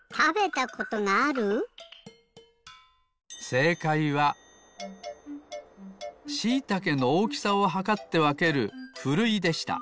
せいかいはしいたけのおおきさをはかってわけるふるいでした。